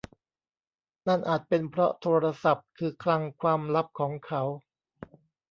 นั่นอาจเป็นเพราะโทรศัพท์คือคลังความลับของเขา